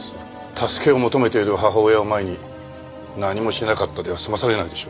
助けを求めている母親を前に何もしなかったでは済まされないでしょう。